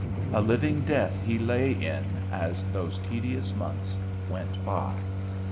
A living death he lay in as those tedious months went by.